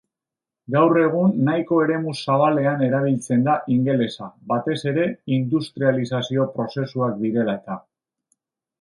Gaur egun nahiko eremu zabalean erabiltzen da ingelesa, batez ere industrializazio prozesuak direla eta.